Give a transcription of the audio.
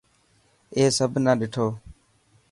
اي سڀ نا ڏٺو.